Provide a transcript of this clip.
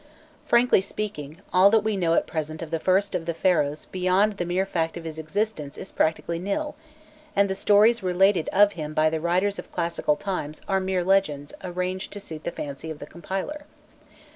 Frankly speaking, all that we know at present of the first of the Pharaohs beyond the mere fact of his existence is practically nil, and the stories related of him by the writers of classical times are mere legends arranged to suit the fancy of the compiler.